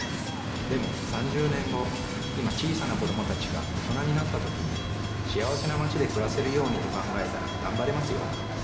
でも３０年後今小さな子どもたちが大人になったときにしあわせなマチでくらせるようにと考えたらがんばれますよ。